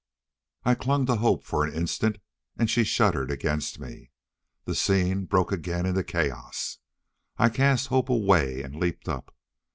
I clung to Hope for an instant, and she shuddered against me. The scene broke again into chaos. I cast Hope away and leaped up.